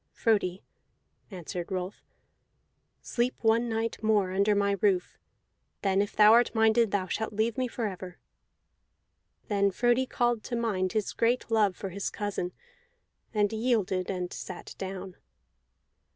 "Frodi," answered Rolf, "sleep one night more under my roof; then if thou art minded thou shalt leave me forever." Then Frodi called to mind his great love for his cousin, and yielded, and sat down.